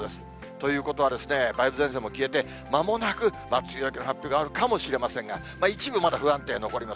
ということはですね、梅雨前線も消えて、まもなく梅雨明けの発表があるかもしれませんが、一部まだ不安定残ります。